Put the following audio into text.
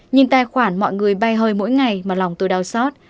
nhìn tài khoản mọi người bay hơi mỗi ngày mà lòng tôi đau xót